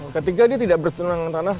ketika dia tidak bersentuhan dengan tanah